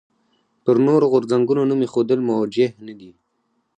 پر نورو غورځنګونو نوم ایښودل موجه نه دي.